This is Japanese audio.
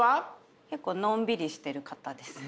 結構のんびりしてる方ですね。